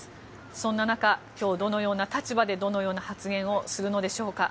そんな中、今日どのような立場でどのような発言をするのでしょうか。